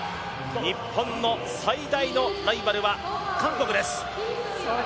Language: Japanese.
日本の最大のライバルは韓国です。